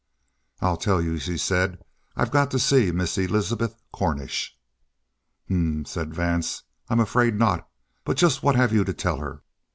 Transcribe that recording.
"I'll tell you," she said. "I've got to see Miss Elizabeth Cornish." "H'm!" said Vance. "I'm afraid not. But just what have you to tell her?"